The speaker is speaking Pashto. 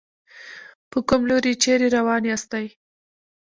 په کوم لوري چېرې روان ياستئ.